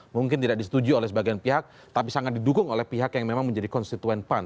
mungkin tidak disetujui oleh sebagian pihak tapi sangat didukung oleh pihak yang memang menjadi konstituen pan